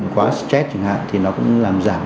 quá stress chẳng hạn thì nó cũng làm giảm